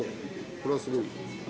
これはすごい。